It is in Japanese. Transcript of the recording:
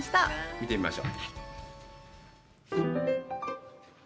見てみましょう。